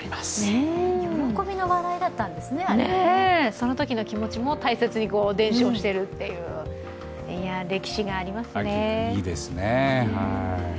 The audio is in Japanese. そのときの気持ちも大切に伝承しているといういいですね。